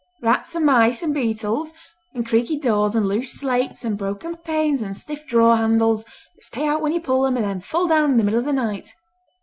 Rats and mice, and beetles; and creaky doors, and loose slates, and broken panes, and stiff drawer handles, that stay out when you pull them and then fall down in the middle of the night.